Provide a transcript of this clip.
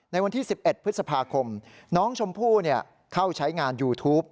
ในวันที่๑๑พฤษภาคมน้องชมพู่เข้าใช้งานยูทูป